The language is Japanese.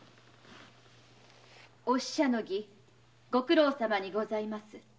御使者の儀ご苦労さまにございます。